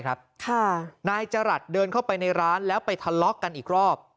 นายจรัสเดินเข้าไปในร้านแล้วไปทะเลาะกันอีกรอบ